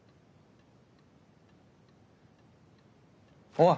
おい。